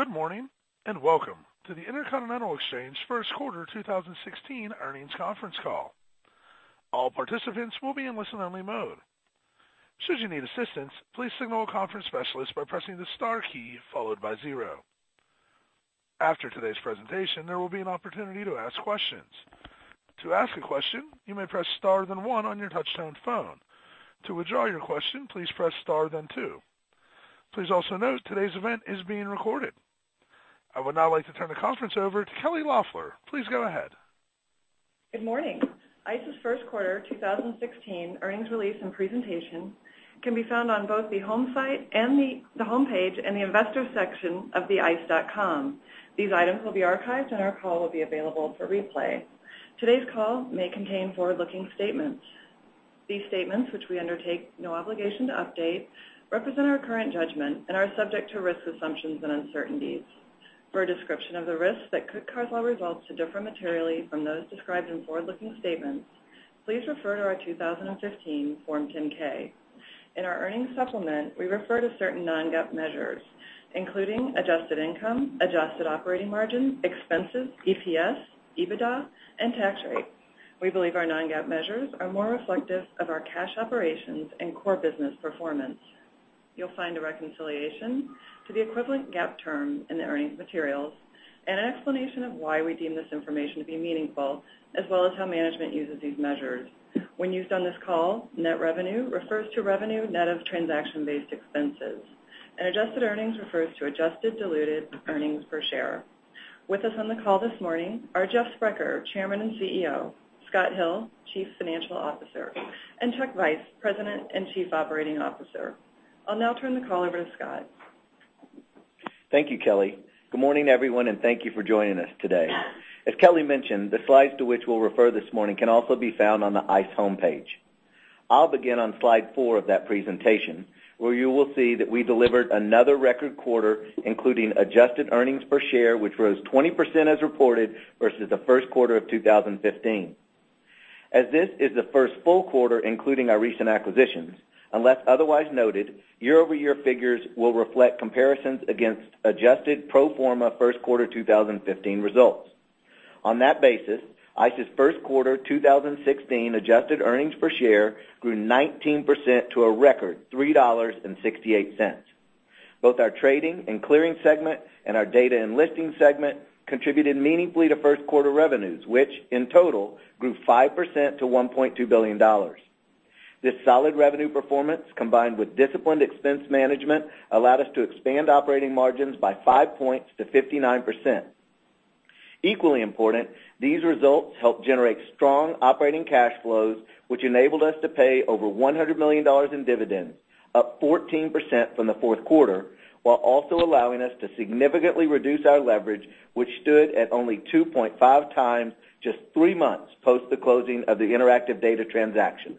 Good morning, and welcome to the Intercontinental Exchange first quarter 2016 earnings conference call. All participants will be in listen-only mode. Should you need assistance, please signal a conference specialist by pressing the star key followed by zero. After today's presentation, there will be an opportunity to ask questions. To ask a question, you may press star, then one on your touchtone phone. To withdraw your question, please press star, then two. Please also note today's event is being recorded. I would now like to turn the conference over to Kelly Loeffler. Please go ahead. Good morning. ICE's first quarter 2016 earnings release and presentation can be found on both the home site and the homepage and the investor section of theice.com. These items will be archived, and our call will be available for replay. Today's call may contain forward-looking statements. These statements, which we undertake no obligation to update, represent our current judgment and are subject to risks, assumptions, and uncertainties. For a description of the risks that could cause our results to differ materially from those described in forward-looking statements, please refer to our 2015 Form 10-K. In our earnings supplement, we refer to certain non-GAAP measures, including adjusted income, adjusted operating margin, expenses, EPS, EBITDA, and tax rate. We believe our non-GAAP measures are more reflective of our cash operations and core business performance. You'll find a reconciliation to the equivalent GAAP term in the earnings materials, and an explanation of why we deem this information to be meaningful, as well as how management uses these measures. When used on this call, net revenue refers to revenue net of transaction-based expenses, and adjusted earnings refers to adjusted diluted earnings per share. With us on the call this morning are Jeff Sprecher, Chairman and CEO; Scott Hill, Chief Financial Officer; and Chuck Vice, President and Chief Operating Officer. I'll now turn the call over to Scott. Thank you, Kelly. Good morning, everyone, and thank you for joining us today. As Kelly mentioned, the slides to which we'll refer this morning can also be found on the ICE homepage. I'll begin on slide four of that presentation, where you will see that we delivered another record quarter, including adjusted earnings per share, which rose 20% as reported versus the first quarter of 2015. As this is the first full quarter including our recent acquisitions, unless otherwise noted, year-over-year figures will reflect comparisons against adjusted pro forma first quarter 2015 results. On that basis, ICE's first quarter 2016 adjusted earnings per share grew 19% to a record $3.68. Both our trading and clearing segment and our data and listing segment contributed meaningfully to first quarter revenues, which in total grew 5% to $1.2 billion. This solid revenue performance, combined with disciplined expense management, allowed us to expand operating margins by five points to 59%. Equally important, these results helped generate strong operating cash flows, which enabled us to pay over $100 million in dividends, up 14% from the fourth quarter, while also allowing us to significantly reduce our leverage, which stood at only 2.5 times just three months post the closing of the Interactive Data transaction.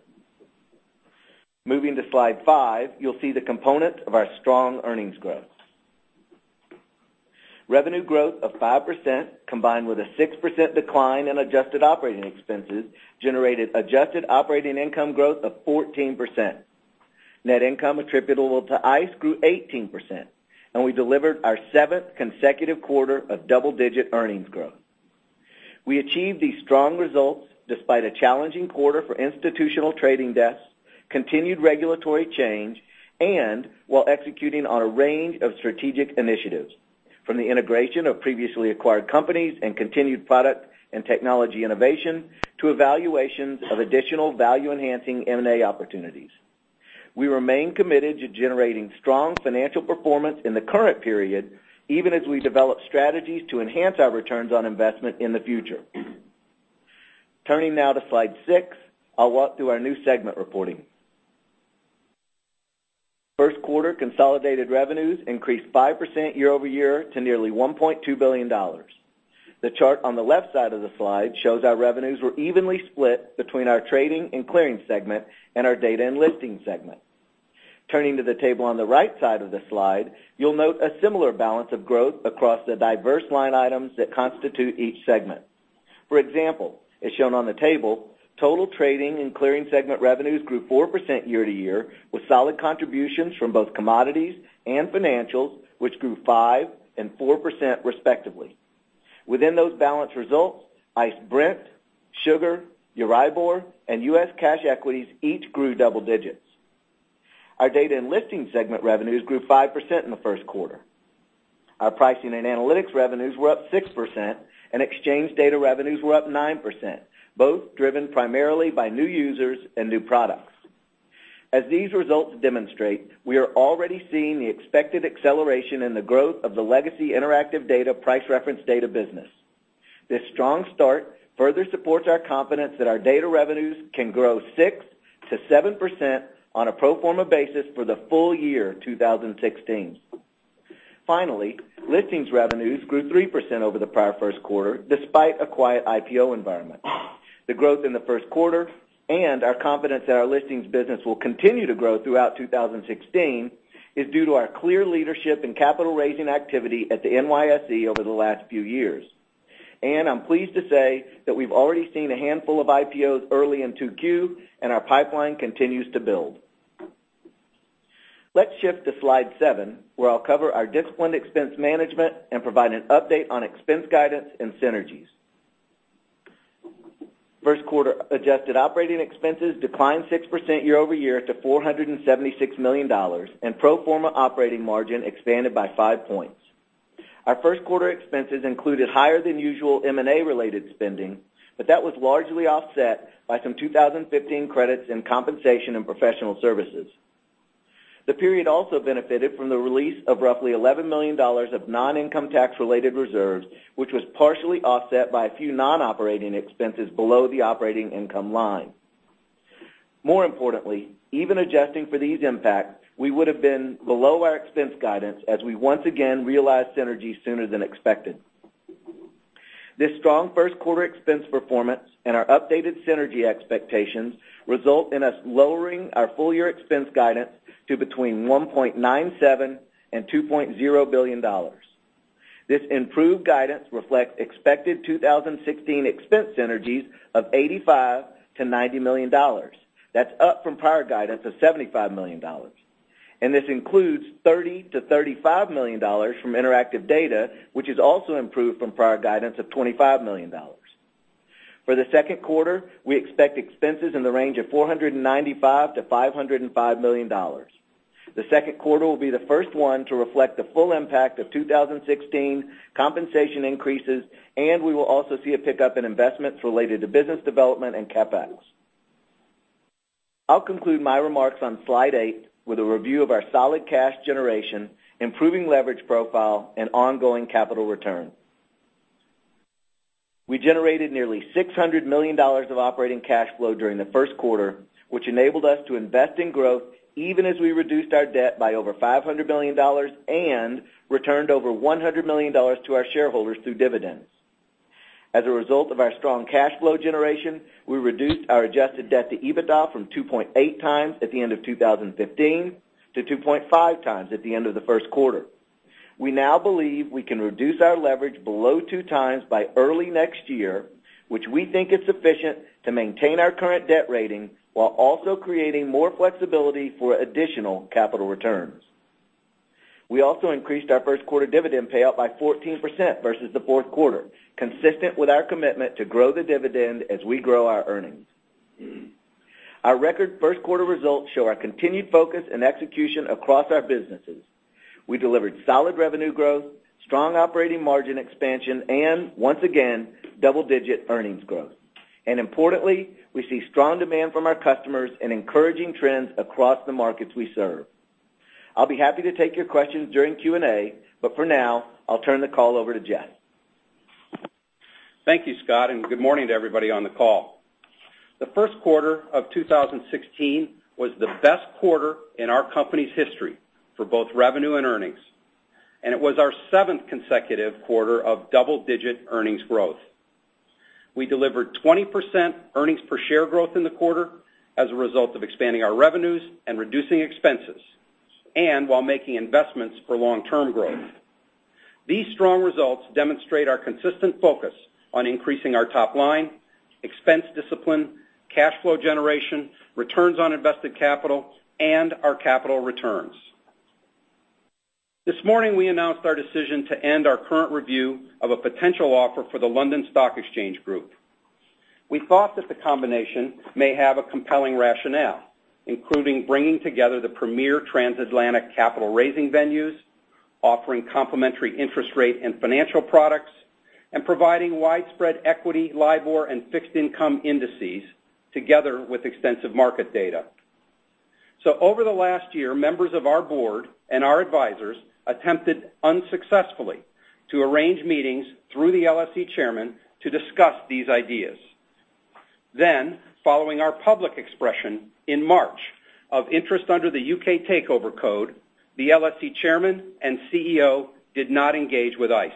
Moving to slide five, you'll see the component of our strong earnings growth. Revenue growth of 5%, combined with a 6% decline in adjusted operating expenses, generated adjusted operating income growth of 14%. Net income attributable to ICE grew 18%, and we delivered our seventh consecutive quarter of double-digit earnings growth. We achieved these strong results despite a challenging quarter for institutional trading desks, continued regulatory change, and while executing on a range of strategic initiatives, from the integration of previously acquired companies and continued product and technology innovation, to evaluations of additional value-enhancing M&A opportunities. We remain committed to generating strong financial performance in the current period, even as we develop strategies to enhance our returns on investment in the future. Turning now to slide six, I'll walk through our new segment reporting. First quarter consolidated revenues increased 5% year-over-year to nearly $1.2 billion. The chart on the left side of the slide shows our revenues were evenly split between our Trading and Clearing segment and our Data and Listing segment. Turning to the table on the right side of the slide, you'll note a similar balance of growth across the diverse line items that constitute each segment. For example, as shown on the table, total Trading and Clearing segment revenues grew 4% year-to-year, with solid contributions from both commodities and financials, which grew 5% and 4% respectively. Within those balance results, ICE Brent, Sugar, Euribor, and U.S. Cash Equities each grew double digits. Our Data and Listings segment revenues grew 5% in the first quarter. Our pricing and analytics revenues were up 6%, and exchange data revenues were up 9%, both driven primarily by new users and new products. As these results demonstrate, we are already seeing the expected acceleration in the growth of the legacy Interactive Data price reference data business. This strong start further supports our confidence that our data revenues can grow 6%-7% on a pro forma basis for the full year 2016. Finally, listings revenues grew 3% over the prior first quarter, despite a quiet IPO environment. The growth in the first quarter and our confidence that our listings business will continue to grow throughout 2016 is due to our clear leadership in capital raising activity at the NYSE over the last few years. I'm pleased to say that we've already seen a handful of IPOs early in 2Q, our pipeline continues to build. Let's shift to slide seven, where I'll cover our disciplined expense management and provide an update on expense guidance and synergies. First quarter adjusted operating expenses declined 6% year-over-year to $476 million, pro forma operating margin expanded by five points. Our first quarter expenses included higher than usual M&A-related spending, that was largely offset by some 2015 credits in compensation and professional services. The period also benefited from the release of roughly $11 million of non-income tax-related reserves, which was partially offset by a few non-operating expenses below the operating income line. More importantly, even adjusting for these impacts, we would've been below our expense guidance as we once again realized synergies sooner than expected. This strong first quarter expense performance and our updated synergy expectations result in us lowering our full-year expense guidance to between $1.97 billion and $2.0 billion. This improved guidance reflects expected 2016 expense synergies of $85 million to $90 million. That's up from prior guidance of $75 million. This includes $30 million to $35 million from Interactive Data, which is also improved from prior guidance of $25 million. For the second quarter, we expect expenses in the range of $495 million to $505 million. The second quarter will be the first one to reflect the full impact of 2016 compensation increases. We will also see a pickup in investments related to business development and CapEx. I'll conclude my remarks on slide eight with a review of our solid cash generation, improving leverage profile, and ongoing capital return. We generated nearly $600 million of operating cash flow during the first quarter, which enabled us to invest in growth even as we reduced our debt by over $500 million and returned over $100 million to our shareholders through dividends. As a result of our strong cash flow generation, we reduced our adjusted debt to EBITDA from 2.8 times at the end of 2015 to 2.5 times at the end of the first quarter. We now believe we can reduce our leverage below two times by early next year, which we think is sufficient to maintain our current debt rating while also creating more flexibility for additional capital returns. We also increased our first quarter dividend payout by 14% versus the fourth quarter, consistent with our commitment to grow the dividend as we grow our earnings. Our record first quarter results show our continued focus and execution across our businesses. We delivered solid revenue growth, strong operating margin expansion, and once again, double-digit earnings growth. Importantly, we see strong demand from our customers and encouraging trends across the markets we serve. I'll be happy to take your questions during Q&A. For now, I'll turn the call over to Jeff. Thank you, Scott, and good morning to everybody on the call. The first quarter of 2016 was the best quarter in our company's history for both revenue and earnings, and it was our seventh consecutive quarter of double-digit earnings growth. We delivered 20% earnings-per-share growth in the quarter as a result of expanding our revenues and reducing expenses, while making investments for long-term growth. These strong results demonstrate our consistent focus on increasing our top line, expense discipline, cash flow generation, returns on invested capital, and our capital returns. This morning, we announced our decision to end our current review of a potential offer for the London Stock Exchange Group. We thought that the combination may have a compelling rationale, including bringing together the premier transatlantic capital-raising venues, offering complementary interest rate and financial products, providing widespread equity, LIBOR, and fixed-income indices together with extensive market data. Over the last year, members of our board and our advisors attempted unsuccessfully to arrange meetings through the LSE chairman to discuss these ideas. Following our public expression in March of interest under the U.K. Takeover Code, the LSE chairman and CEO did not engage with ICE.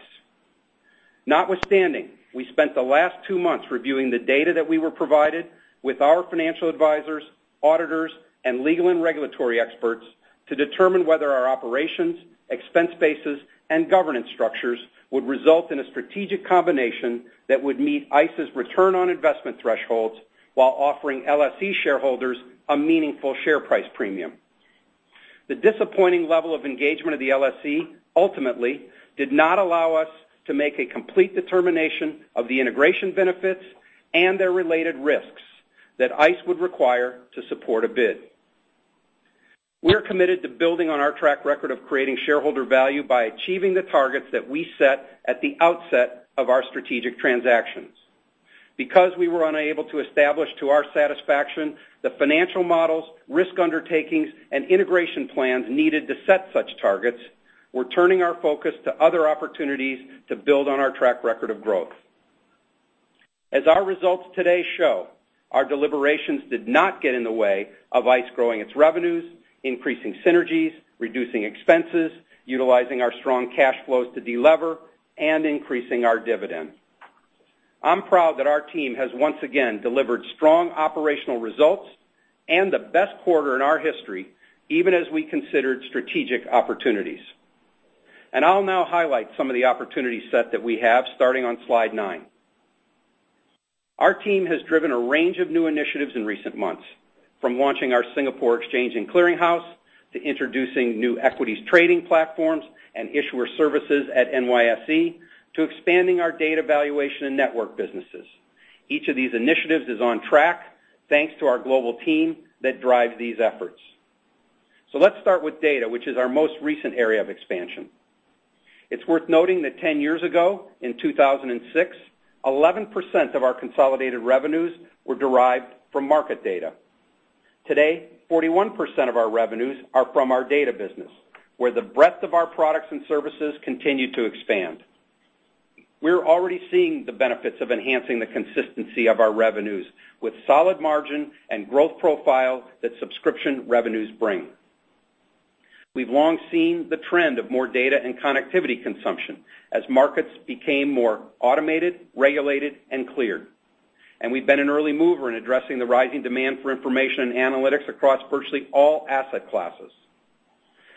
Notwithstanding, we spent the last 2 months reviewing the data that we were provided with our financial advisors, auditors, and legal and regulatory experts to determine whether our operations, expense bases, and governance structures would result in a strategic combination that would meet ICE's return on investment thresholds while offering LSE shareholders a meaningful share price premium. The disappointing level of engagement of the LSE ultimately did not allow us to make a complete determination of the integration benefits and their related risks that ICE would require to support a bid. We're committed to building on our track record of creating shareholder value by achieving the targets that we set at the outset of our strategic transactions. We were unable to establish to our satisfaction the financial models, risk undertakings, and integration plans needed to set such targets, we're turning our focus to other opportunities to build on our track record of growth. As our results today show, our deliberations did not get in the way of ICE growing its revenues, increasing synergies, reducing expenses, utilizing our strong cash flows to de-lever, and increasing our dividend. I'm proud that our team has once again delivered strong operational results and the best quarter in our history, even as we considered strategic opportunities. I'll now highlight some of the opportunity set that we have, starting on slide nine. Our team has driven a range of new initiatives in recent months, from launching our Singapore Exchange and Clearing House, to introducing new equities trading platforms and issuer services at NYSE, to expanding our data valuation and network businesses. Each of these initiatives is on track, thanks to our global team that drives these efforts. Let's start with data, which is our most recent area of expansion. It's worth noting that 10 years ago, in 2006, 11% of our consolidated revenues were derived from market data. Today, 41% of our revenues are from our data business, where the breadth of our products and services continue to expand. We're already seeing the benefits of enhancing the consistency of our revenues with solid margin and growth profile that subscription revenues bring. We've long seen the trend of more data and connectivity consumption as markets became more automated, regulated, and cleared. We've been an early mover in addressing the rising demand for information and analytics across virtually all asset classes.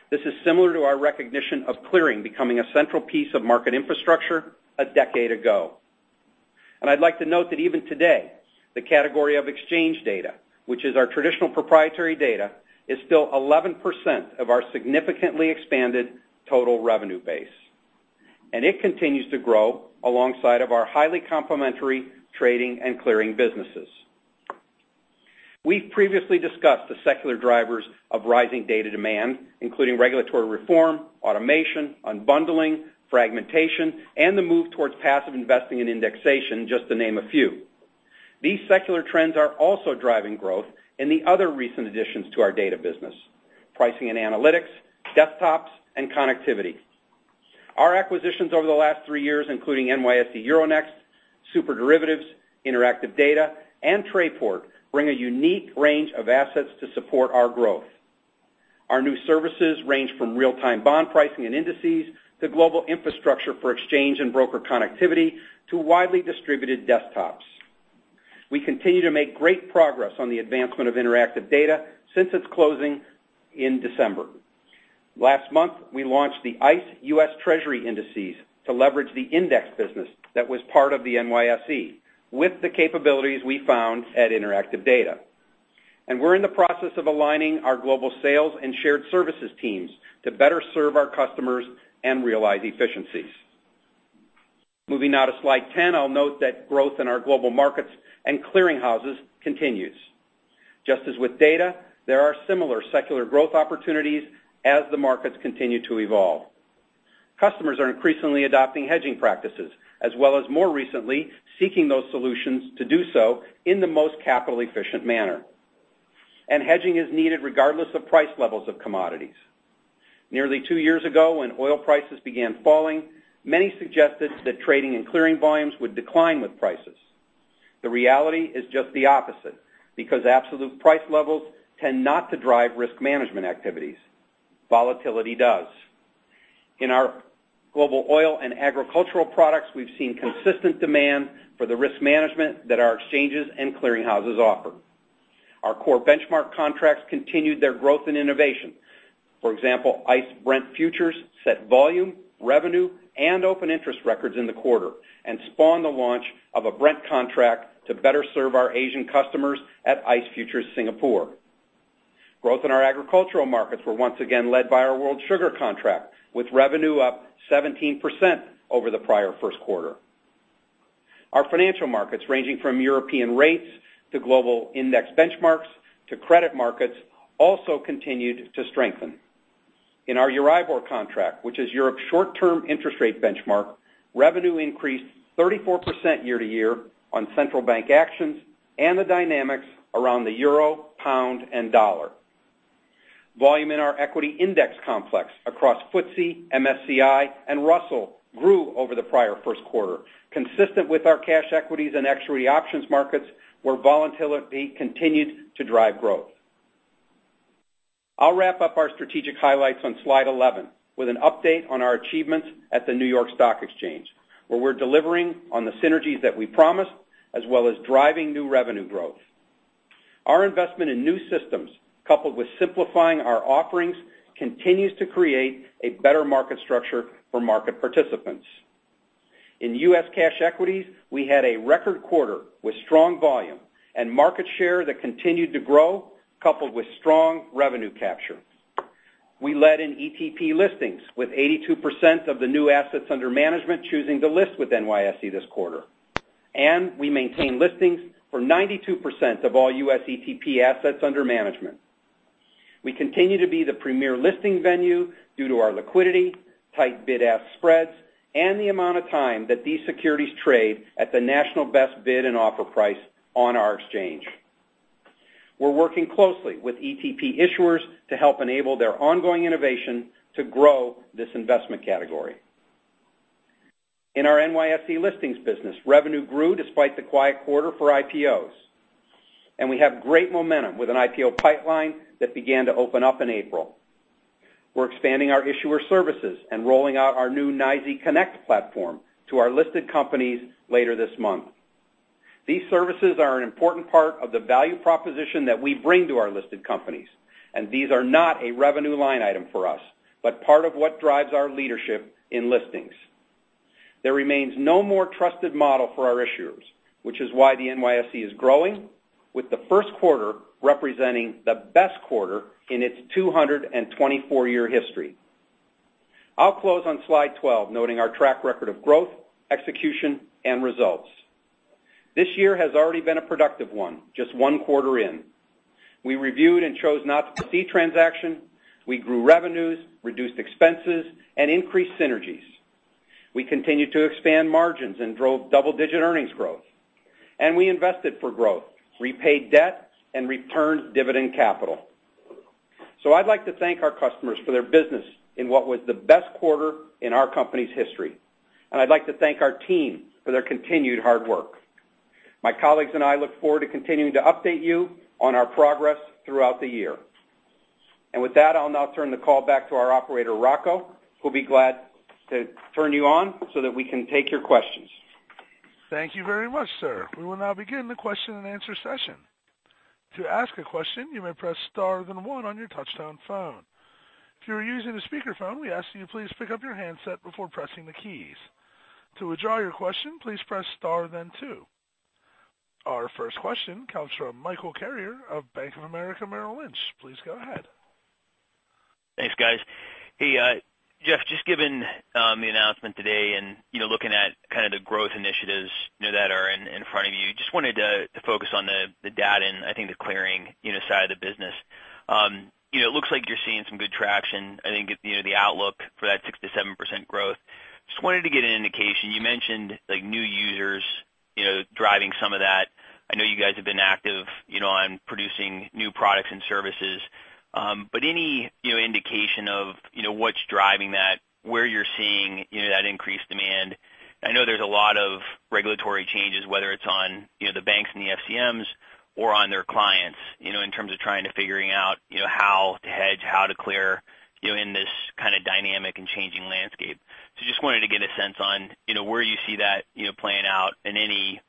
This is similar to our recognition of clearing becoming a central piece of market infrastructure a decade ago. I'd like to note that even today, the category of exchange data, which is our traditional proprietary data, is still 11% of our significantly expanded total revenue base. It continues to grow alongside of our highly complementary trading and clearing businesses. We've previously discussed the secular drivers of rising data demand, including regulatory reform, automation, unbundling, fragmentation, and the move towards passive investing in indexation, just to name a few. These secular trends are also driving growth in the other recent additions to our data business, pricing and analytics, desktops, and connectivity. Our acquisitions over the last three years, including NYSE Euronext, SuperDerivatives, Interactive Data, and Trayport, bring a unique range of assets to support our growth. Our new services range from real-time bond pricing and indices, to global infrastructure for exchange and broker connectivity, to widely distributed desktops. We continue to make great progress on the advancement of Interactive Data since its closing in December. Last month, we launched the ICE U.S. Treasury Indices to leverage the index business that was part of the NYSE with the capabilities we found at Interactive Data. We're in the process of aligning our global sales and shared services teams to better serve our customers and realize efficiencies. Moving now to slide 10, I'll note that growth in our global markets and clearing houses continues. Just as with data, there are similar secular growth opportunities as the markets continue to evolve. Customers are increasingly adopting hedging practices, as well as more recently, seeking those solutions to do so in the most capital-efficient manner. Hedging is needed regardless of price levels of commodities. Nearly two years ago, when oil prices began falling, many suggested that trading and clearing volumes would decline with prices. The reality is just the opposite, because absolute price levels tend not to drive risk management activities. Volatility does. In our global oil and agricultural products, we've seen consistent demand for the risk management that our exchanges and clearing houses offer. Our core benchmark contracts continued their growth and innovation. For example, ICE Brent Futures set volume, revenue, and open interest records in the quarter, and spawned the launch of a Brent contract to better serve our Asian customers at ICE Futures Singapore. Growth in our agricultural markets were once again led by our world sugar contract, with revenue up 17% over the prior first quarter. Our financial markets, ranging from European rates to global index benchmarks to credit markets, also continued to strengthen. In our Euribor contract, which is Europe's short-term interest rate benchmark, revenue increased 34% year-to-year on central bank actions and the dynamics around the euro, pound, and dollar. Volume in our equity index complex across FTSE, MSCI, and Russell grew over the prior first quarter, consistent with our cash equities and equity options markets, where volatility continued to drive growth. I'll wrap up our strategic highlights on slide 11 with an update on our achievements at the New York Stock Exchange, where we're delivering on the synergies that we promised, as well as driving new revenue growth. Our investment in new systems, coupled with simplifying our offerings, continues to create a better market structure for market participants. In U.S. cash equities, we had a record quarter with strong volume and market share that continued to grow, coupled with strong revenue capture. We led in ETP listings, with 82% of the new assets under management choosing to list with NYSE this quarter. We maintain listings for 92% of all U.S. ETP assets under management. We continue to be the premier listing venue due to our liquidity, tight bid-ask spreads, and the amount of time that these securities trade at the national best bid and offer price on our exchange. We're working closely with ETP issuers to help enable their ongoing innovation to grow this investment category. In our NYSE listings business, revenue grew despite the quiet quarter for IPOs. We have great momentum with an IPO pipeline that began to open up in April. We're expanding our issuer services and rolling out our new NYSE Connect platform to our listed companies later this month. These services are an important part of the value proposition that we bring to our listed companies. These are not a revenue line item for us, but part of what drives our leadership in listings. There remains no more trusted model for our issuers, which is why the NYSE is growing, with the first quarter representing the best quarter in its 224-year history. I'll close on slide 12, noting our track record of growth, execution, and results. This year has already been a productive one, just one quarter in. We reviewed and chose not to proceed transaction. We grew revenues, reduced expenses, and increased synergies. We continued to expand margins and drove double-digit earnings growth, we invested for growth, repaid debt, and returned dividend capital. I'd like to thank our customers for their business in what was the best quarter in our company's history. I'd like to thank our team for their continued hard work. My colleagues and I look forward to continuing to update you on our progress throughout the year. With that, I'll now turn the call back to our operator, Rocco, who'll be glad to turn it over so that we can take your questions. Thank you very much, sir. We will now begin the question and answer session. To ask a question, you may press star then one on your touchtone phone. If you are using a speakerphone, we ask that you please pick up your handset before pressing the keys. To withdraw your question, please press star then two. Our first question comes from Michael Carrier of Bank of America Merrill Lynch. Please go ahead. Thanks, guys. Hey, Jeff, given the announcement today and looking at kind of the growth initiatives that are in front of you, wanted to focus on the data and I think the clearing side of the business. It looks like you're seeing some good traction. I think the outlook for that 6%-7% growth. Wanted to get an indication. You mentioned new users driving some of that. I know you guys have been active on producing new products and services. Any indication of what's driving that, where you're seeing that increased demand? I know there's a lot of regulatory changes, whether it's on the banks and the FCMs or on their clients, in terms of trying to figuring out how to hedge, how to clear in this kind of dynamic and changing landscape. Just wanted to get a sense on where you see that playing out and any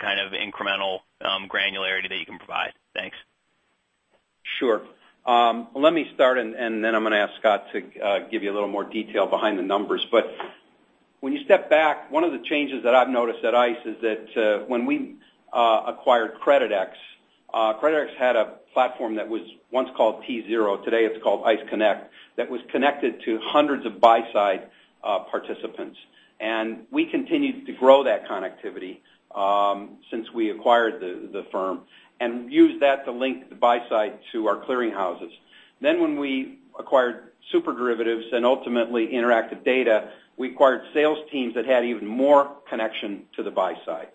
kind of incremental granularity that you can provide. Thanks. Sure. Let me start, and then I'm going to ask Scott to give you a little more detail behind the numbers. When you step back, one of the changes that I've noticed at ICE is that when we acquired Creditex had a platform that was once called T-Zero, today it's called ICE Connect, that was connected to hundreds of buy-side participants. We continued to grow that connectivity since we acquired the firm and used that to link the buy-side to our clearing houses. When we acquired SuperDerivatives and ultimately Interactive Data, we acquired sales teams that had even more connection to the buy-side.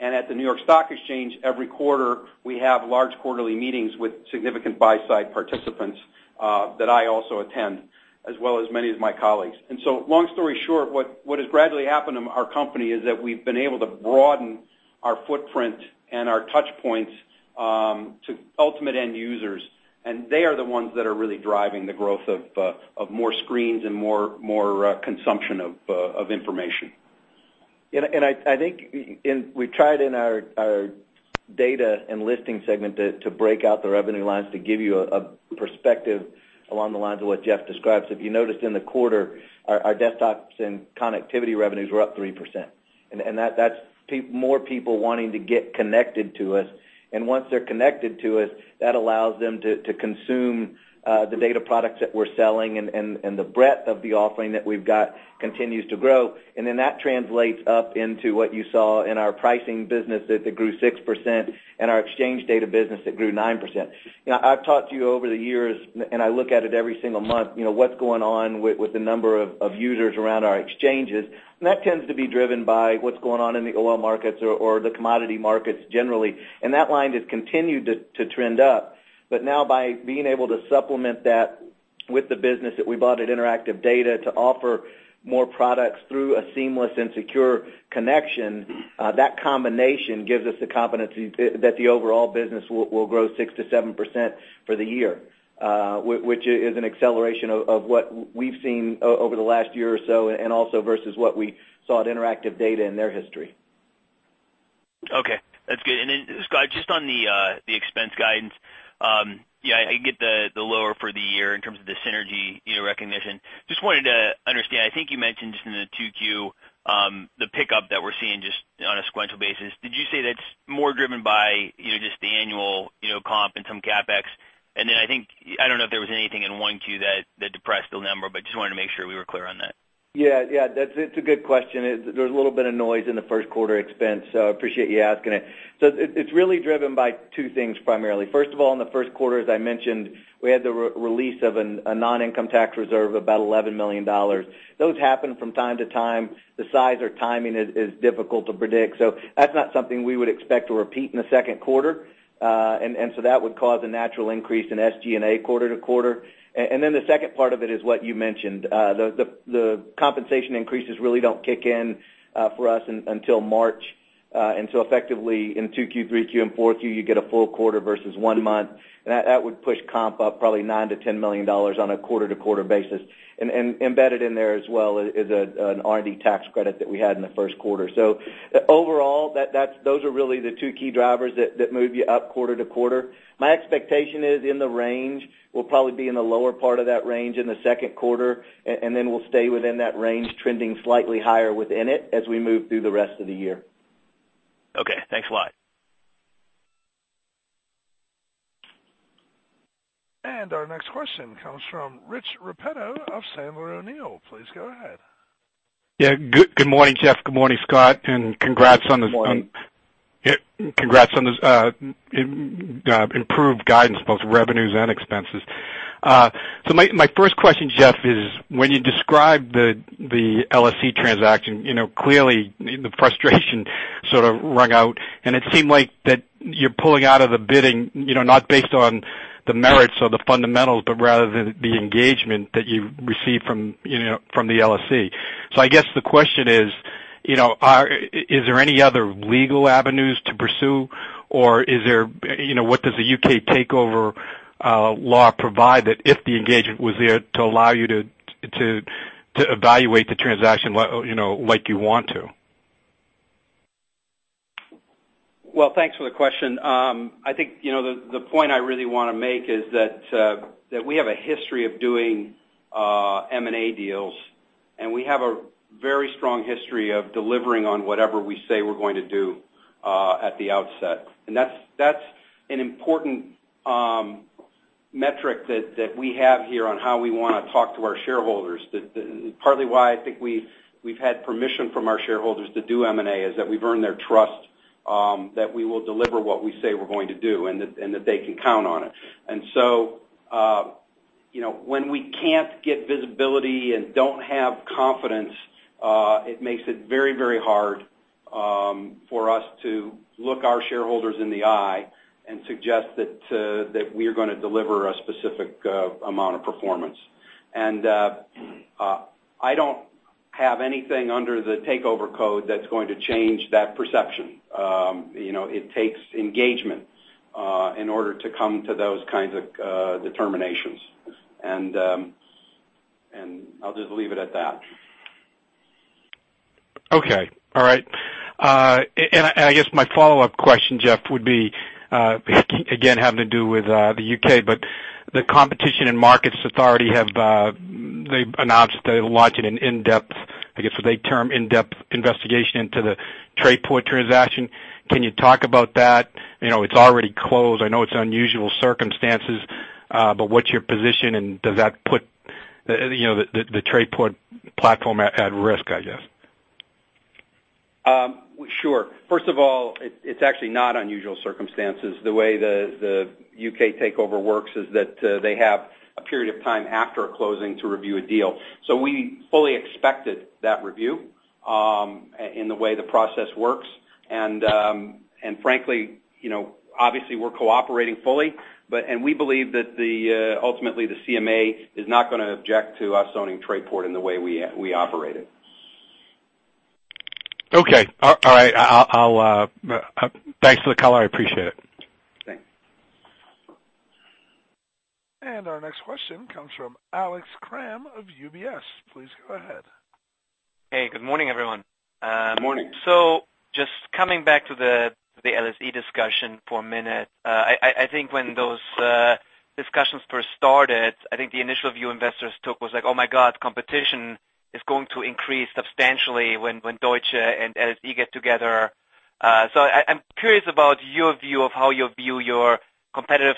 At the New York Stock Exchange, every quarter, we have large quarterly meetings with significant buy-side participants that I also attend, as well as many of my colleagues. Long story short, what has gradually happened in our company is that we've been able to broaden our footprint and our touch points to ultimate end users, and they are the ones that are really driving the growth of more screens and more consumption of information. I think we tried in our data and listing segment to break out the revenue lines to give you a perspective along the lines of what Jeff described. If you noticed in the quarter, our desktops and connectivity revenues were up 3%. That's more people wanting to get connected to us. Once they're connected to us, that allows them to consume the data products that we're selling, and the breadth of the offering that we've got continues to grow. That translates up into what you saw in our pricing business that grew 6% and our exchange data business that grew 9%. I've talked to you over the years, and I look at it every single month, what's going on with the number of users around our exchanges. That tends to be driven by what's going on in the oil markets or the commodity markets generally. That line has continued to trend up. Now by being able to supplement that with the business that we bought at Interactive Data to offer more products through a seamless and secure connection, that combination gives us the competency that the overall business will grow 6%-7% for the year, which is an acceleration of what we've seen over the last year or so and also versus what we saw at Interactive Data in their history. Okay. That's good. Scott, just on the expense guidance. I get the lower for the year in terms of the synergy recognition. Just wanted to understand, I think you mentioned just in the 2Q, the pickup that we're seeing just on a sequential basis. Did you say that's more driven by just the annual comp and some CapEx? Then I think, I don't know if there was anything in 1Q that depressed the number, but just wanted to make sure we were clear on that. Yeah. It's a good question. There's a little bit of noise in the first quarter expense, I appreciate you asking it. It's really driven by two things, primarily. First of all, in the first quarter, as I mentioned, we had the release of a non-income tax reserve of about $11 million. Those happen from time to time. The size or timing is difficult to predict. That's not something we would expect to repeat in the second quarter. That would cause a natural increase in SG&A quarter-to-quarter. The second part of it is what you mentioned. The compensation increases really don't kick in for us until March. So effectively in two Q3, Q4, you get a full quarter versus one month. That would push comp up probably $9 million-$10 million on a quarter-to-quarter basis. Embedded in there as well is an R&D tax credit that we had in the first quarter. Overall, those are really the two key drivers that move you up quarter-to-quarter. My expectation is in the range. We'll probably be in the lower part of that range in the second quarter, then we'll stay within that range, trending slightly higher within it as we move through the rest of the year. Okay. Thanks a lot. Our next question comes from Rich Repetto of Sandler O'Neill. Please go ahead. Yeah. Good morning, Jeff. Good morning, Scott, and congrats on- Good morning Congrats on this improved guidance, both revenues and expenses. My first question, Jeff, is when you describe the LSE transaction, clearly the frustration sort of rang out, and it seemed like that you're pulling out of the bidding, not based on the merits or the fundamentals, but rather the engagement that you've received from the LSE. I guess the question is there any other legal avenues to pursue, or what does the U.K. takeover law provide that if the engagement was there to allow you to evaluate the transaction like you want to? Well, thanks for the question. I think the point I really want to make is that we have a history of doing M&A deals, and we have a very strong history of delivering on whatever we say we're going to do at the outset. That's an important metric that we have here on how we want to talk to our shareholders. Partly why I think we've had permission from our shareholders to do M&A, is that we've earned their trust, that we will deliver what we say we're going to do and that they can count on it. When we can't get visibility and don't have confidence, it makes it very hard for us to look our shareholders in the eye and suggest that we are going to deliver a specific amount of performance. I don't have anything under the Takeover Code that's going to change that perception. It takes engagement in order to come to those kinds of determinations. I'll just leave it at that. Okay. All right. I guess my follow-up question, Jeff, would be, again, having to do with the U.K., but the Competition and Markets Authority, they've announced that they're launching an in-depth, I guess what they term in-depth investigation into the Trayport transaction. Can you talk about that? It's already closed. I know it's unusual circumstances, but what's your position, and does that put the Trayport platform at risk, I guess? Sure. First of all, it's actually not unusual circumstances. The way the U.K. takeover works is that they have a period of time after a closing to review a deal. We fully expected that review, in the way the process works. Frankly, obviously we're cooperating fully. We believe that ultimately the CMA is not going to object to us owning Trayport in the way we operate it. Okay. All right. Thanks for the call. I appreciate it. Thanks. Our next question comes from Alex Kramm of UBS. Please go ahead. Hey, good morning, everyone. Good morning. Just coming back to the LSE discussion for a minute. I think when those discussions first started, I think the initial view investors took was like, "Oh my God, competition is going to increase substantially when Deutsche and LSE get together." I'm curious about your view of how you view your competitive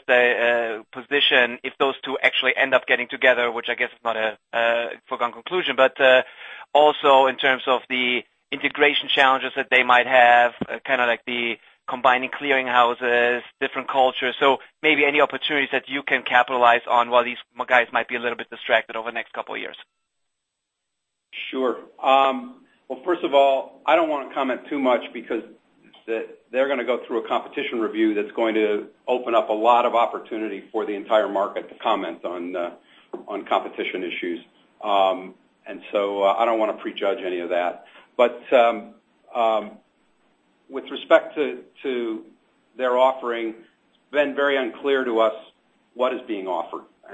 position, if those two actually end up getting together, which I guess is not a foregone conclusion, also in terms of the integration challenges that they might have, kind of like the combining clearing houses, different cultures. Maybe any opportunities that you can capitalize on while these guys might be a little bit distracted over the next couple of years. Sure. Well, first of all, I don't want to comment too much because they're going to go through a competition review that's going to open up a lot of opportunity for the entire market to comment on competition issues. I don't want to prejudge any of that. With respect to their offering, it's been very unclear to us what is being offered. I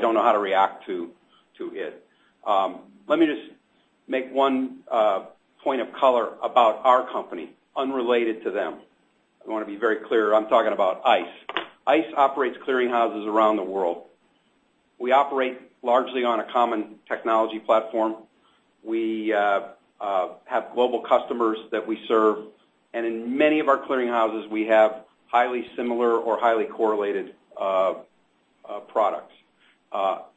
don't know how to react to it. Let me just make one point of color about our company unrelated to them. I want to be very clear. I'm talking about ICE. ICE operates clearing houses around the world. We operate largely on a common technology platform. We have global customers that we serve, and in many of our clearing houses, we have highly similar or highly correlated products.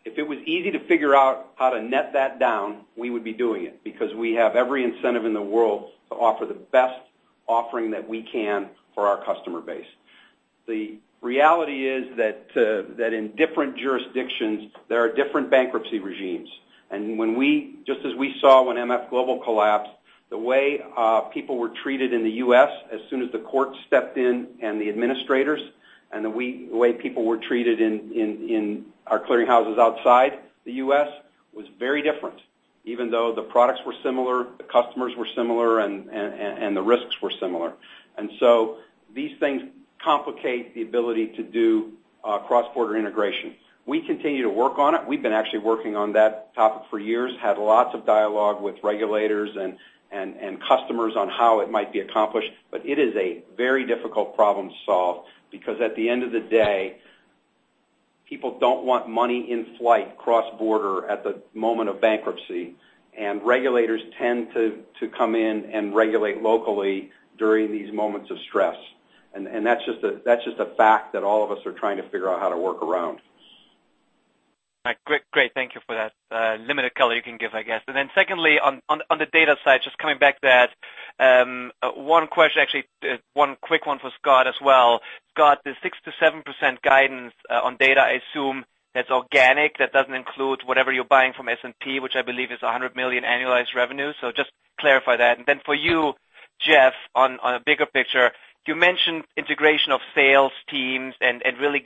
If it was easy to figure out how to net that down, we would be doing it because we have every incentive in the world to offer the best offering that we can for our customer base. The reality is that in different jurisdictions, there are different bankruptcy regimes. Just as we saw when MF Global collapsed, the way people were treated in the U.S. as soon as the court stepped in and the administrators And the way people were treated in our clearing houses outside the U.S. was very different. Even though the products were similar, the customers were similar, and the risks were similar. These things complicate the ability to do cross-border integration. We continue to work on it. We've been actually working on that topic for years, had lots of dialogue with regulators and customers on how it might be accomplished. It is a very difficult problem to solve, because at the end of the day, people don't want money in flight cross-border at the moment of bankruptcy, and regulators tend to come in and regulate locally during these moments of stress. That's just a fact that all of us are trying to figure out how to work around. Great. Thank you for that limited color you can give, I guess. Secondly, on the data side, just coming back to that, one question, actually, one quick one for Scott as well. Scott, the 6%-7% guidance on data, I assume that's organic, that doesn't include whatever you're buying from S&P, which I believe is $100 million annualized revenue. Just clarify that. For you, Jeff, on a bigger picture, you mentioned integration of sales teams and really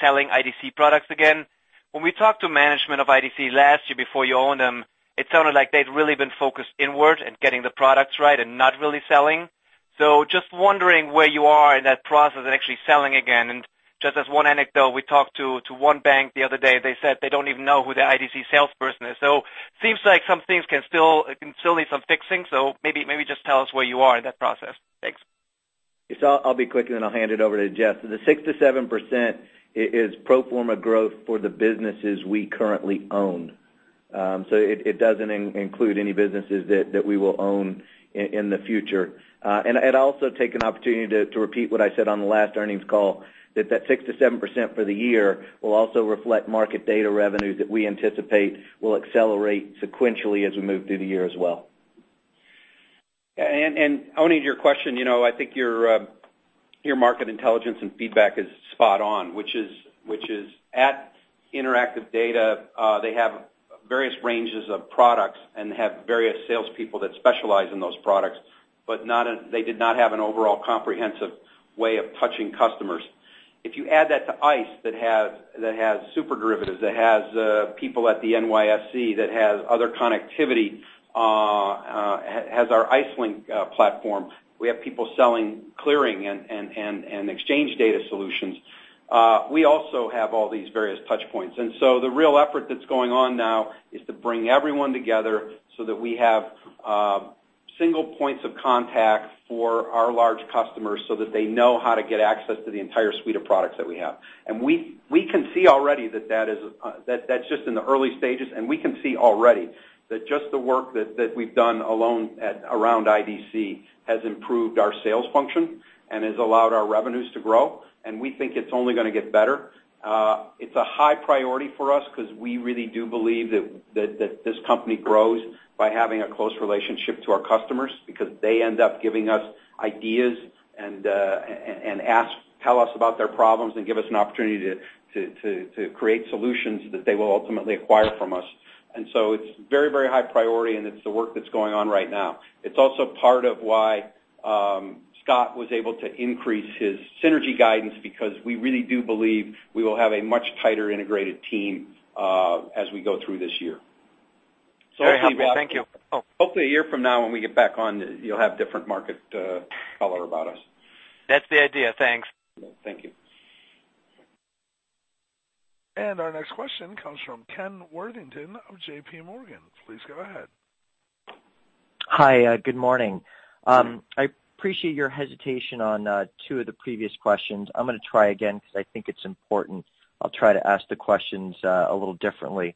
selling IDC products again. When we talked to management of IDC last year before you owned them, it sounded like they'd really been focused inward and getting the products right and not really selling. Just wondering where you are in that process and actually selling again. Just as one anecdote, we talked to one bank the other day, they said they don't even know who the IDC salesperson is. Seems like some things can still need some fixing. Maybe just tell us where you are in that process. Thanks. I'll be quick, and then I'll hand it over to Jeff. The 6%-7% is pro forma growth for the businesses we currently own. It doesn't include any businesses that we will own in the future. I'd also take an opportunity to repeat what I said on the last earnings call, that 6%-7% for the year will also reflect market data revenue that we anticipate will accelerate sequentially as we move through the year as well. Kramm, to your question, I think your market intelligence and feedback is spot on, which is, at Interactive Data, they have various ranges of products and have various salespeople that specialize in those products, but they did not have an overall comprehensive way of touching customers. You add that to ICE, that has SuperDerivatives, that has people at the NYSE, that has other connectivity, has our ICE Link platform. We have people selling clearing and exchange data solutions. We also have all these various touch points. The real effort that's going on now is to bring everyone together so that we have single points of contact for our large customers so that they know how to get access to the entire suite of products that we have. We can see already that that's just in the early stages, and we can see already that just the work that we've done alone around IDC has improved our sales function and has allowed our revenues to grow, and we think it's only going to get better. It's a high priority for us because we really do believe that this company grows by having a close relationship to our customers because they end up giving us ideas and tell us about their problems and give us an opportunity to create solutions that they will ultimately acquire from us. It's very high priority, and it's the work that's going on right now. It's also part of why Scott was able to increase his synergy guidance because we really do believe we will have a much tighter integrated team as we go through this year. Very helpful. Thank you. Hopefully, a year from now, when we get back on, you'll have different market color about us. That's the idea. Thanks. Thank you. Our next question comes from Ken Worthington of JPMorgan. Please go ahead. Hi. Good morning. I appreciate your hesitation on two of the previous questions. I'm going to try again because I think it's important. I'll try to ask the questions a little differently.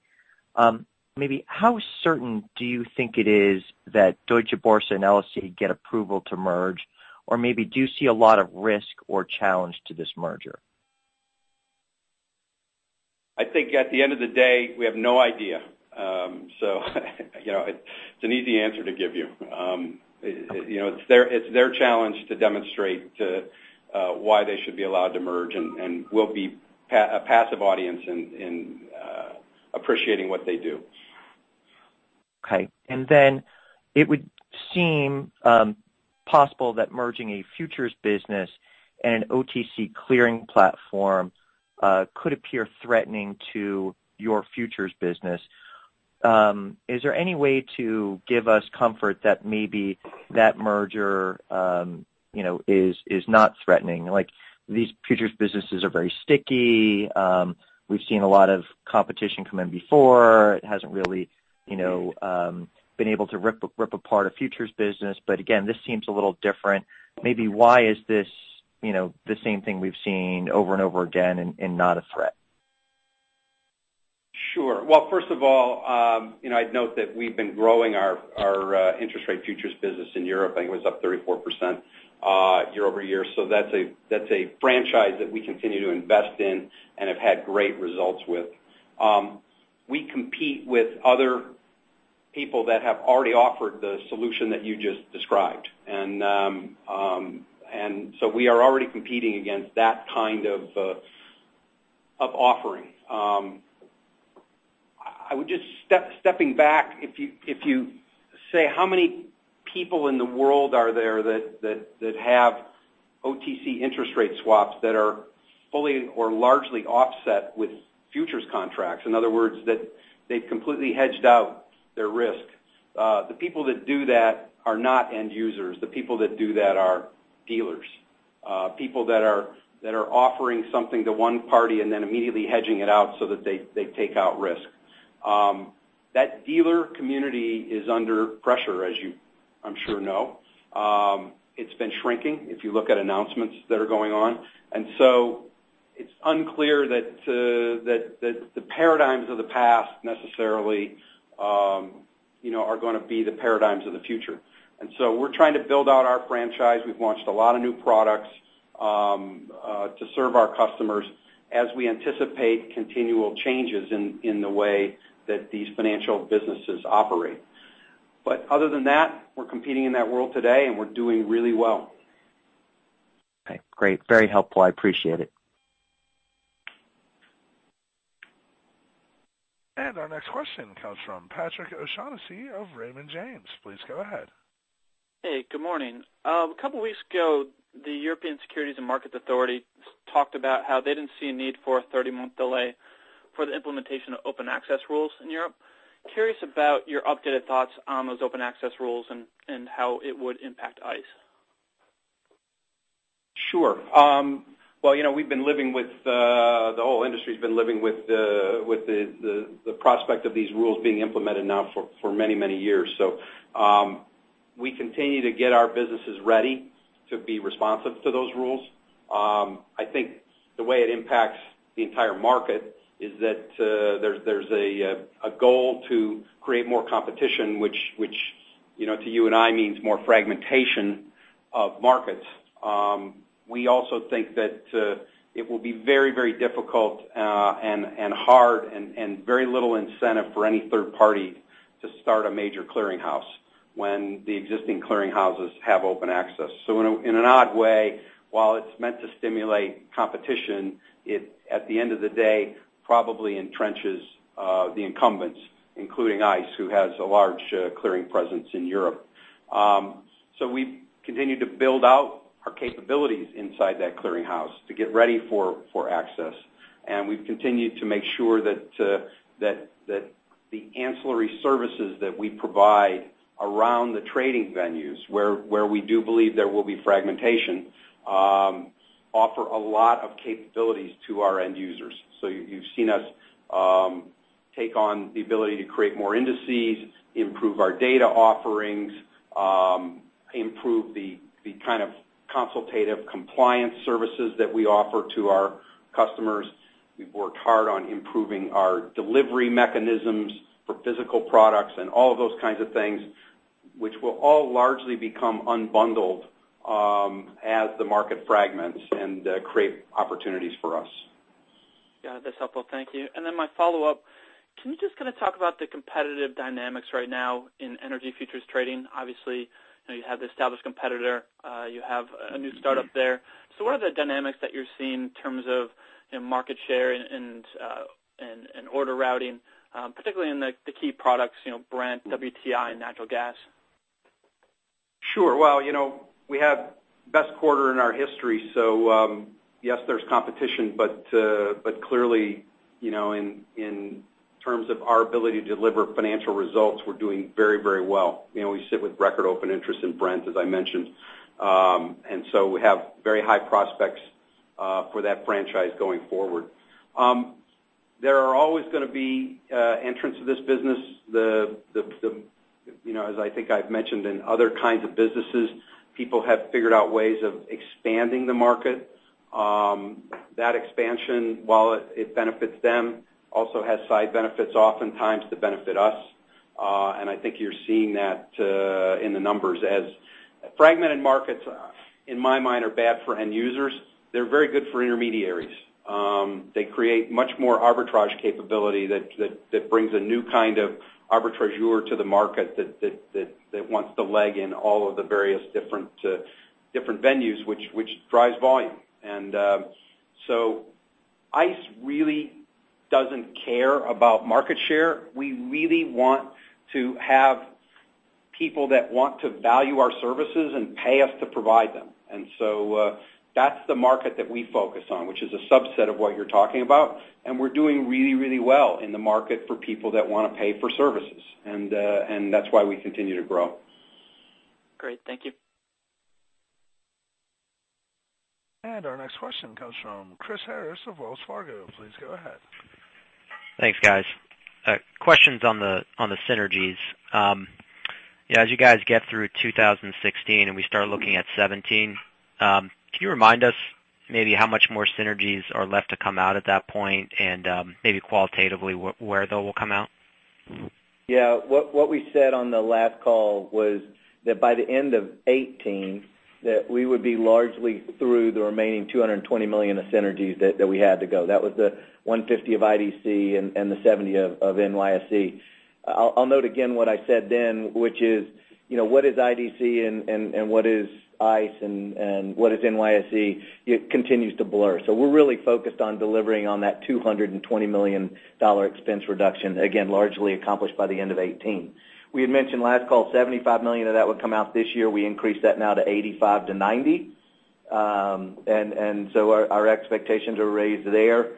Maybe how certain do you think it is that Deutsche Börse and LSE get approval to merge? Do you see a lot of risk or challenge to this merger? I think at the end of the day, we have no idea. It's an easy answer to give you. It's their challenge to demonstrate why they should be allowed to merge, and we'll be a passive audience in appreciating what they do. Okay. It would seem possible that merging a futures business and an OTC clearing platform could appear threatening to your futures business. Is there any way to give us comfort that maybe that merger is not threatening? These futures businesses are very sticky. We've seen a lot of competition come in before. It hasn't really been able to rip apart a futures business. Again, this seems a little different. Why is this the same thing we've seen over and over again and not a threat? Sure. Well, first of all, I'd note that we've been growing our interest rate futures business in Europe. I think it was up 34% year-over-year. That's a franchise that we continue to invest in and have had great results with. We compete with other people that have already offered the solution that you just described. We are already competing against that kind of offering. Stepping back, if you say how many people in the world are there that have OTC interest rate swaps that are fully or largely offset with futures contracts, in other words, that they've completely hedged out their risk. The people that do that are not end users. The people that do that are dealers. People that are offering something to one party and then immediately hedging it out so that they take out risk. That dealer community is under pressure, as you I'm sure know. It's been shrinking, if you look at announcements that are going on. It's unclear that the paradigms of the past necessarily are going to be the paradigms of the future. We're trying to build out our franchise. We've launched a lot of new products to serve our customers as we anticipate continual changes in the way that these financial businesses operate. Other than that, we're competing in that world today, and we're doing really well. Okay, great. Very helpful. I appreciate it. Our next question comes from Patrick O'Shaughnessy of Raymond James. Please go ahead. Hey, good morning. A couple of weeks ago, the European Securities and Markets Authority talked about how they didn't see a need for a 30-month delay for the implementation of open access rules in Europe. Curious about your updated thoughts on those open access rules and how it would impact ICE. Well, the whole industry's been living with the prospect of these rules being implemented now for many, many years. We continue to get our businesses ready to be responsive to those rules. I think the way it impacts the entire market is that there's a goal to create more competition, which, to you and I, means more fragmentation of markets. We also think that it will be very, very difficult, and hard, and very little incentive for any third party to start a major clearing house when the existing clearing houses have open access. In an odd way, while it's meant to stimulate competition, it, at the end of the day, probably entrenches the incumbents, including ICE, who has a large clearing presence in Europe. We've continued to build out our capabilities inside that clearing house to get ready for access, and we've continued to make sure that the ancillary services that we provide around the trading venues, where we do believe there will be fragmentation, offer a lot of capabilities to our end users. You've seen us take on the ability to create more indices, improve our data offerings, improve the kind of consultative compliance services that we offer to our customers. We've worked hard on improving our delivery mechanisms for physical products and all of those kinds of things, which will all largely become unbundled as the market fragments and create opportunities for us. Yeah, that's helpful. Thank you. My follow-up, can you just kind of talk about the competitive dynamics right now in energy futures trading? Obviously, you have the established competitor. You have a new startup there. What are the dynamics that you're seeing in terms of market share and order routing, particularly in the key products, Brent, WTI, and natural gas? Well, we have best quarter in our history. Yes, there's competition, but clearly, in terms of our ability to deliver financial results, we're doing very, very well. We sit with record open interest in Brent, as I mentioned. We have very high prospects for that franchise going forward. There are always going to be entrants to this business. As I think I've mentioned in other kinds of businesses, people have figured out ways of expanding the market. That expansion, while it benefits them, also has side benefits oftentimes that benefit us. I think you're seeing that in the numbers. As fragmented markets, in my mind, are bad for end users, they're very good for intermediaries. They create much more arbitrage capability that brings a new kind of arbitrageur to the market that wants to leg in all of the various different venues, which drives volume. ICE really doesn't care about market share. We really want to have people that want to value our services and pay us to provide them. That's the market that we focus on, which is a subset of what you're talking about. We're doing really, really well in the market for people that want to pay for services. That's why we continue to grow. Great. Thank you. Our next question comes from Chris Harris of Wells Fargo. Please go ahead. Thanks, guys. Questions on the synergies. As you guys get through 2016 and we start looking at 2017, can you remind us maybe how much more synergies are left to come out at that point and maybe qualitatively where they will come out? Yeah. What we said on the last call was that by the end of 2018. We would be largely through the remaining $220 million of synergies that we had to go. That was the 150 of IDC and the 70 of NYSE. I'll note again what I said then, which is, what is IDC and what is ICE and what is NYSE? It continues to blur. We're really focused on delivering on that $220 million expense reduction, again, largely accomplished by the end of 2018. We had mentioned last call, $75 million of that would come out this year. We increased that now to $85 million-$90 million. Our expectations are raised there.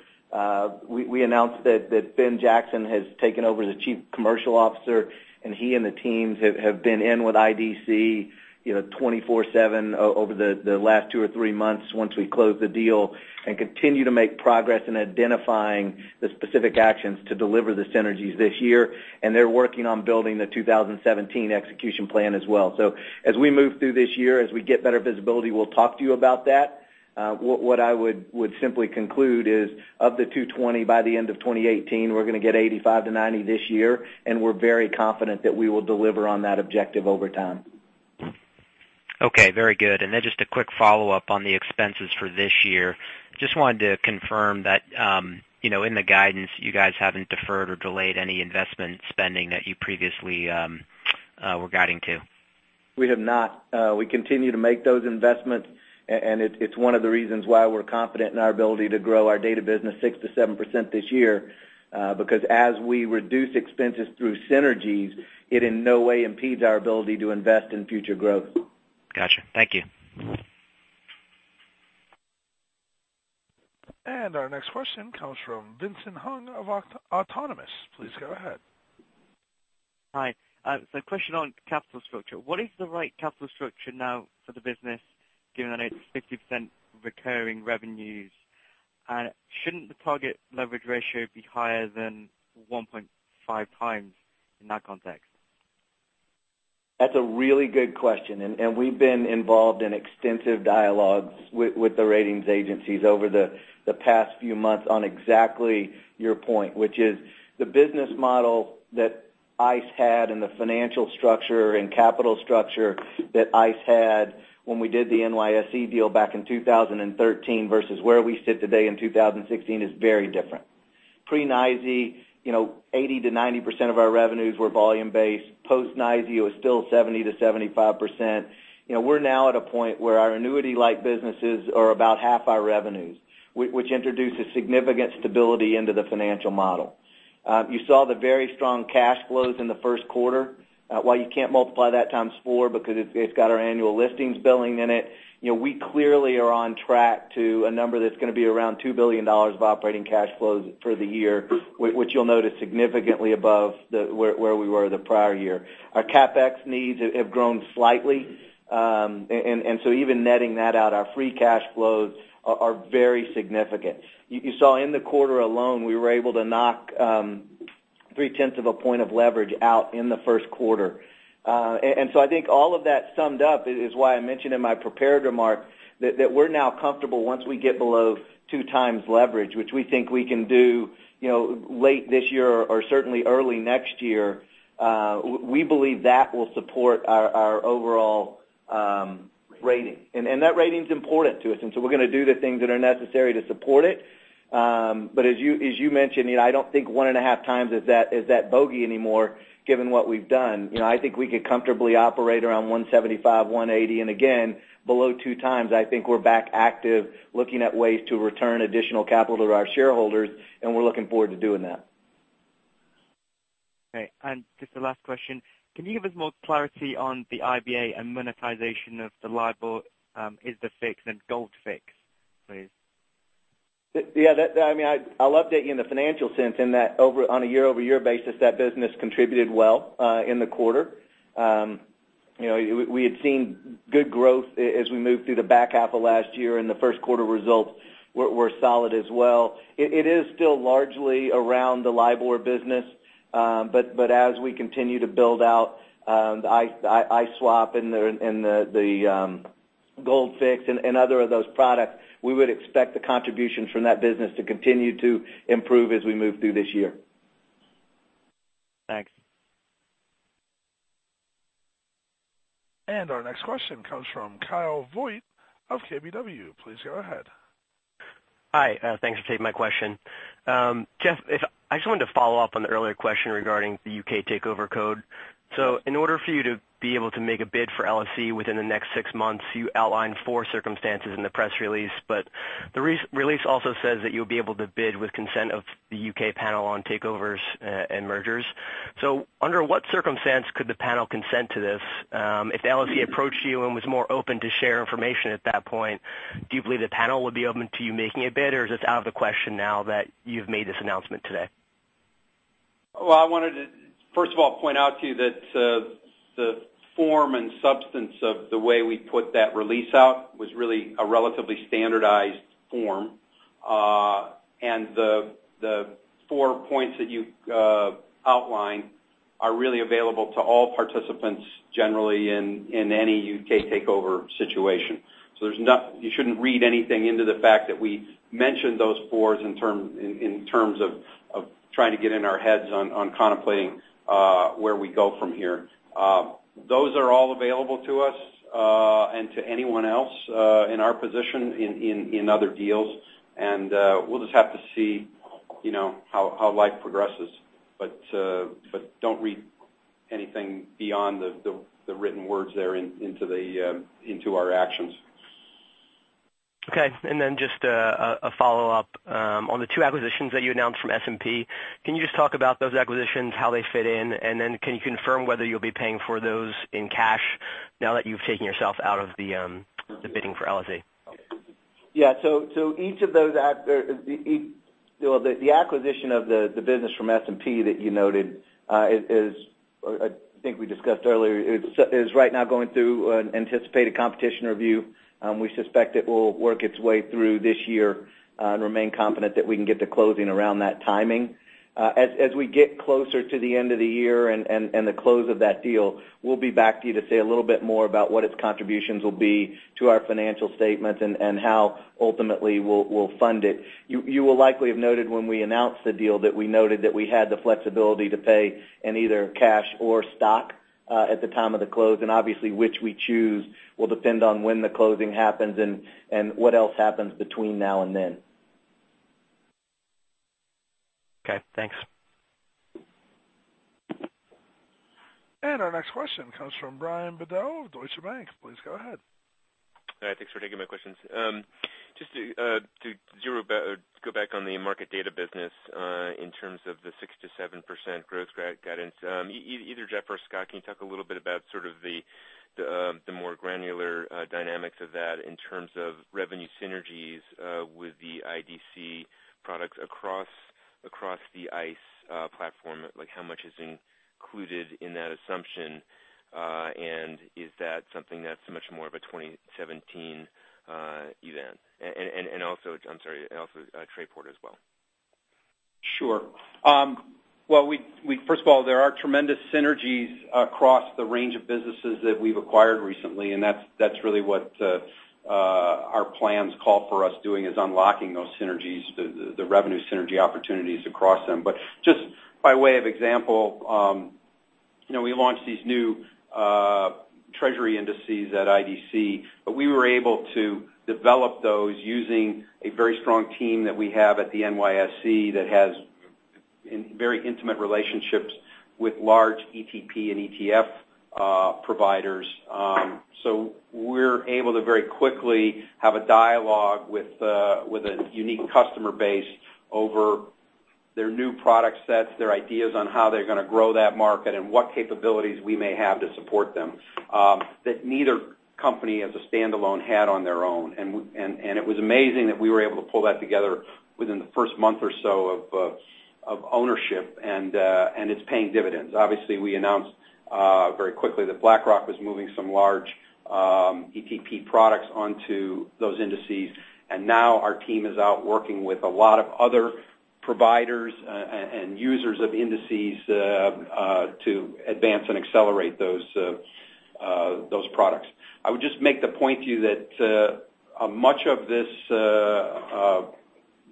We announced that Ben Jackson has taken over as the Chief Commercial Officer. He and the teams have been in with IDC 24/7 over the last two or three months, once we closed the deal, continue to make progress in identifying the specific actions to deliver the synergies this year. They're working on building the 2017 execution plan as well. As we move through this year, as we get better visibility, we'll talk to you about that. What I would simply conclude is of the $220, by the end of 2018, we're going to get $85-$90 this year. We're very confident that we will deliver on that objective over time. Okay, very good. Just a quick follow-up on the expenses for this year. Just wanted to confirm that, in the guidance, you guys haven't deferred or delayed any investment spending that you previously were guiding to. We have not. We continue to make those investments, It's one of the reasons why we're confident in our ability to grow our data business 6% to 7% this year. As we reduce expenses through synergies, it in no way impedes our ability to invest in future growth. Got you. Thank you. Our next question comes from Vincent Hung of Autonomous. Please go ahead. Hi. Question on capital structure. What is the right capital structure now for the business, given that it's 50% recurring revenues? Shouldn't the target leverage ratio be higher than 1.5 times in that context? That's a really good question. We've been involved in extensive dialogues with the ratings agencies over the past few months on exactly your point, which is the business model that ICE had and the financial structure and capital structure that ICE had when we did the NYSE deal back in 2013 versus where we sit today in 2016 is very different. Pre-NYSE, 80%-90% of our revenues were volume-based. Post-NYSE, it was still 70%-75%. We're now at a point where our annuity-like businesses are about half our revenues, which introduces significant stability into the financial model. You saw the very strong cash flows in the first quarter. While you can't multiply that times four because it's got our annual listings billing in it, we clearly are on track to a number that's going to be around $2 billion of operating cash flows for the year, which you'll note is significantly above where we were the prior year. Our CapEx needs have grown slightly. Even netting that out, our free cash flows are very significant. You saw in the quarter alone, we were able to knock three-tenths of a point of leverage out in the first quarter. I think all of that summed up is why I mentioned in my prepared remarks that we're now comfortable once we get below two times leverage, which we think we can do late this year or certainly early next year. We believe that will support our overall rating. That rating's important to us. We're going to do the things that are necessary to support it. As you mentioned, I don't think one and a half times is that bogey anymore, given what we've done. I think we could comfortably operate around 175, 180. Again, below two times, I think we're back active, looking at ways to return additional capital to our shareholders. We're looking forward to doing that. Okay. Just the last question. Can you give us more clarity on the IBA and monetization of the LIBOR, ISDAfix, and gold fix, please? Yeah. I'll update you in the financial sense in that, on a year-over-year basis, that business contributed well in the quarter. We had seen good growth as we moved through the back half of last year, and the first quarter results were solid as well. It is still largely around the LIBOR business. As we continue to build out ICE Swap Rate and the gold fix and other of those products, we would expect the contributions from that business to continue to improve as we move through this year. Thanks. Our next question comes from Kyle Voigt of KBW. Please go ahead. Hi. Thanks for taking my question. Jeff, I just wanted to follow up on the earlier question regarding the U.K. takeover code. In order for you to be able to make a bid for LSE within the next six months, you outlined four circumstances in the press release, the release also says that you'll be able to bid with consent of The Panel on Takeovers and Mergers. Under what circumstance could the panel consent to this? If the LSE approached you and was more open to share information at that point, do you believe the panel would be open to you making a bid, or is this out of the question now that you've made this announcement today? Well, I wanted to, first of all, point out to you that the form and substance of the way we put that release out was really a relatively standardized form. The four points that you outlined are really available to all participants generally in any U.K. takeover situation. You shouldn't read anything into the fact that we mentioned those fours in terms of trying to get in our heads on contemplating where we go from here. Those are all available to us, and to anyone else, in our position in other deals, and we'll just have to see how life progresses. Don't read anything beyond the written words there into our actions. Okay. Then just a follow-up. On the two acquisitions that you announced from S&P, can you just talk about those acquisitions, how they fit in, and then can you confirm whether you'll be paying for those in cash now that you've taken yourself out of the bidding for LSE? Yeah. The acquisition of the business from S&P that you noted, I think we discussed earlier, is right now going through an anticipated competition review. We suspect it will work its way through this year, and remain confident that we can get to closing around that timing. As we get closer to the end of the year and the close of that deal, we'll be back to you to say a little bit more about what its contributions will be to our financial statements and how ultimately we'll fund it. You will likely have noted when we announced the deal that we noted that we had the flexibility to pay in either cash or stock, at the time of the close, obviously which we choose will depend on when the closing happens and what else happens between now and then. Okay, thanks. Our next question comes from Brian Bedell, Deutsche Bank. Please go ahead. All right. Thanks for taking my questions. Just to go back on the market data business, in terms of the 6%-7% growth guidance, either Jeff or Scott, can you talk a little bit about sort of the more granular dynamics of that in terms of revenue synergies with the IDC products across the ICE platform? How much is included in that assumption, is that something that's much more of a 2017 event? Also, Trayport as well. Sure. Well, first of all, there are tremendous synergies across the range of businesses that we've acquired recently, that's really what our plans call for us doing, is unlocking those synergies, the revenue synergy opportunities across them. Just by way of example, we launched these new treasury indices at IDC, we were able to develop those using a very strong team that we have at the NYSE that has very intimate relationships with large ETP and ETF providers. We're able to very quickly have a dialogue with a unique customer base over their new product sets, their ideas on how they're going to grow that market, and what capabilities we may have to support them, that neither company as a standalone had on their own. It was amazing that we were able to pull that together within the first month or so of ownership, and it's paying dividends. Obviously, we announced very quickly that BlackRock was moving some large ETP products onto those indices, and now our team is out working with a lot of other providers and users of indices to advance and accelerate those products. I would just make the point to you that much of this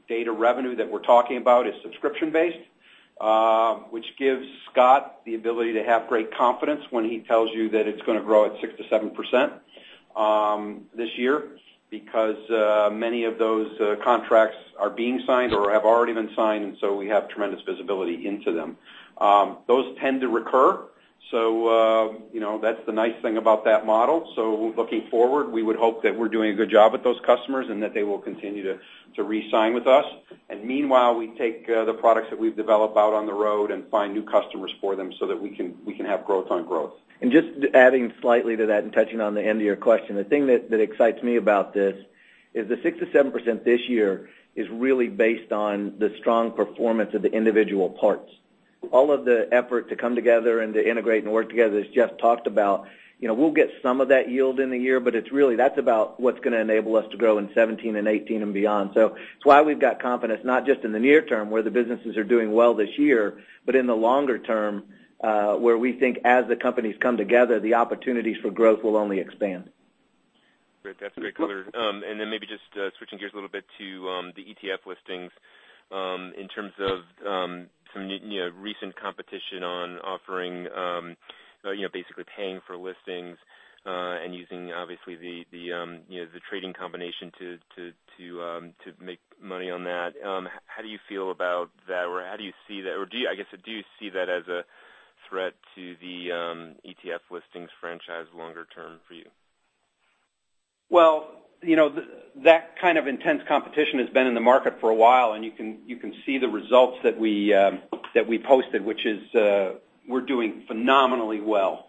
data revenue that we're talking about is subscription-based, which gives Scott the ability to have great confidence when he tells you that it's going to grow at 6%-7% this year because many of those contracts are being signed or have already been signed, we have tremendous visibility into them. Those tend to recur, that's the nice thing about that model. Looking forward, we would hope that we're doing a good job with those customers and that they will continue to re-sign with us. Meanwhile, we take the products that we've developed out on the road and find new customers for them so that we can have growth on growth. Just adding slightly to that and touching on the end of your question, the thing that excites me about this is the 6%-7% this year is really based on the strong performance of the individual parts. All of the effort to come together and to integrate and work together, as Jeff talked about, we'll get some of that yield in the year, but it's really, that's about what's going to enable us to grow in 2017 and 2018 and beyond. It's why we've got confidence, not just in the near term, where the businesses are doing well this year, but in the longer term, where we think as the companies come together, the opportunities for growth will only expand. Great. That's great color. Then maybe just switching gears a little bit to the ETF listings, in terms of some recent competition on offering, basically paying for listings, and using obviously the trading combination to make money on that. How do you feel about that, or how do you see that, or I guess, do you see that as a threat to the ETF listings franchise longer term for you? That kind of intense competition has been in the market for a while, you can see the results that we posted, which is, we're doing phenomenally well.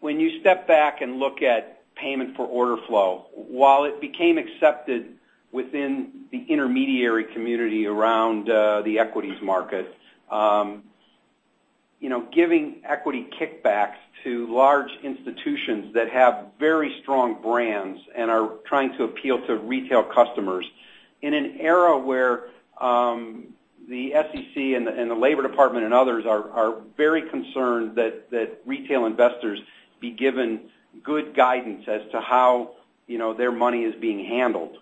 When you step back and look at payment for order flow, while it became accepted within the intermediary community around the equities market, giving equity kickbacks to large institutions that have very strong brands and are trying to appeal to retail customers in an era where the SEC and the Labor Department and others are very concerned that retail investors be given good guidance as to how their money is being handled.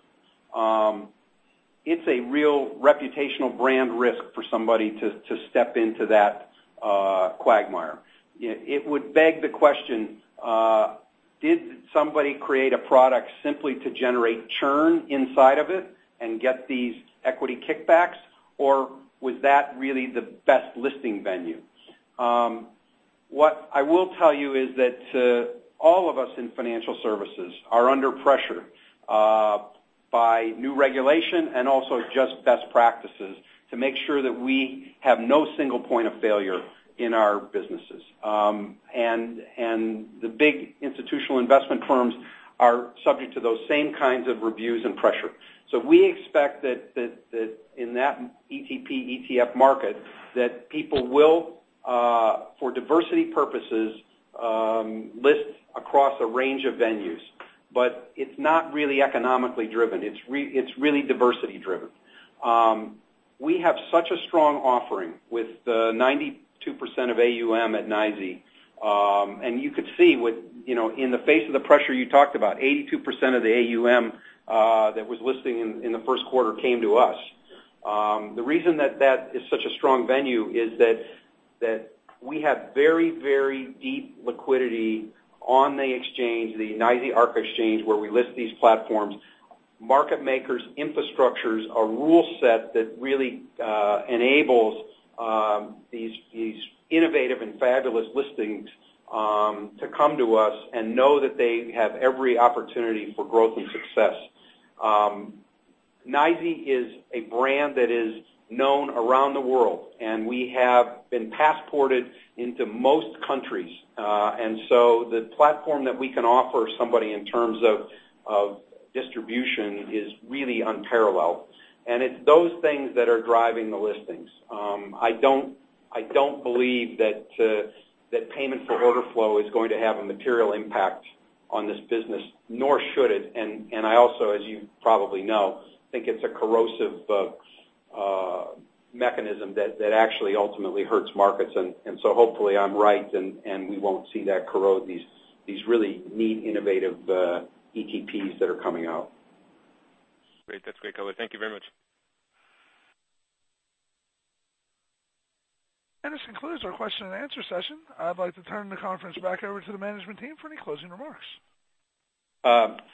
It's a real reputational brand risk for somebody to step into that quagmire. It would beg the question, did somebody create a product simply to generate churn inside of it and get these equity kickbacks, or was that really the best listing venue? What I will tell you is that all of us in financial services are under pressure by new regulation and also just best practices to make sure that we have no single point of failure in our businesses. The big institutional investment firms are subject to those same kinds of reviews and pressure. We expect that in that ETP, ETF market, that people will, for diversity purposes, list across a range of venues. But it's not really economically driven. It's really diversity driven. We have such a strong offering with the 92% of AUM at NYSE. You could see in the face of the pressure you talked about, 82% of the AUM that was listing in the first quarter came to us. The reason that that is such a strong venue is that we have very deep liquidity on the exchange, the NYSE Arca Exchange, where we list these platforms. Market makers' infrastructures, a rule set that really enables these innovative and fabulous listings to come to us and know that they have every opportunity for growth and success. NYSE is a brand that is known around the world, and we have been passported into most countries. The platform that we can offer somebody in terms of distribution is really unparalleled. It's those things that are driving the listings. I don't believe that payment for order flow is going to have a material impact on this business, nor should it. I also, as you probably know, think it's a corrosive mechanism that actually ultimately hurts markets. Hopefully I'm right, and we won't see that corrode these really neat, innovative ETPs that are coming out. Great. That's great color. Thank you very much. This concludes our question and answer session. I'd like to turn the conference back over to the management team for any closing remarks.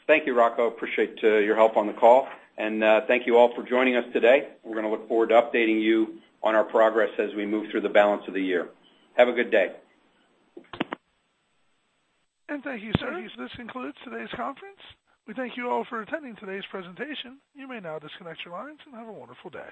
Thank you, Rocco. Appreciate your help on the call, and thank you all for joining us today. We're going to look forward to updating you on our progress as we move through the balance of the year. Have a good day. Thank you, sir. This concludes today's conference. We thank you all for attending today's presentation. You may now disconnect your lines, and have a wonderful day.